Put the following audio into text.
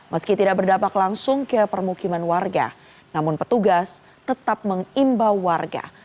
meski tidak berdampak langsung ke permukiman warga namun petugas tetap mengimbau warga